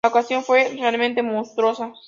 La ocasión fue realmente monstruosa.